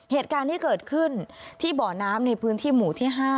เหตุการณ์ที่เกิดขึ้นที่บ่อน้ำในพื้นที่หมู่ที่๕